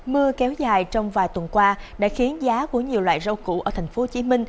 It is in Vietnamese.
mưa kéo dài trong vài tuần qua đã khiến giá của nhiều loại rau cũ ở tp hcm